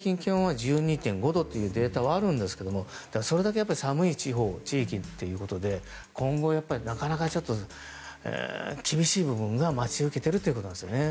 １１月の東京の平均気温は１２．５度というデータはあるんですけどそれだけ寒い地域だということで今後、なかなか厳しい部分が待ち受けているということですね。